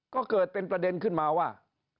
ก็เกิดเป็นประเด็นขึ้นมาว่า